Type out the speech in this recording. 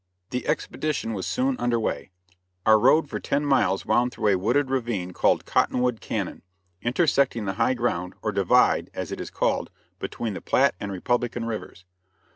The expedition was soon under way. Our road for ten miles wound through a wooded ravine called Cottonwood Cañon, intersecting the high ground, or divide, as it is called, between the Platte and Republican Rivers.